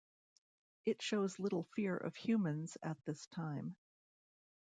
It shows little fear of humans at this time.